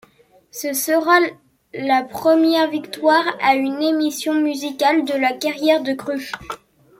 Ce sera la première victoire à une émission musicale de la carrière de Crush.